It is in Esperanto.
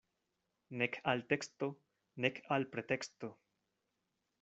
Nek al teksto, nek al preteksto.